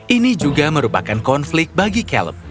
ini juga merupakan konflik bagi caleb